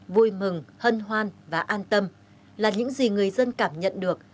vui mừng hân hoan và an tâm là những gì người dân cảm nhận được